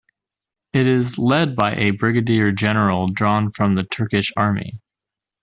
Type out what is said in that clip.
It is led by a Brigadier General drawn from the Turkish Army.